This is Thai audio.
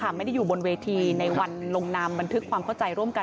ไม่ได้อยู่บนเวทีในวันลงนามบันทึกความเข้าใจร่วมกัน